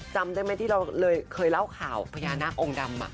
จำได้ไหมที่เราเคยเล่าข่าวพญานาคองค์ดำ